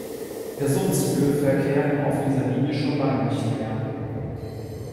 Personenzüge verkehren auf dieser Linie schon lange nicht mehr.